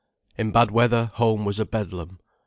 In bad weather, home was a bedlam.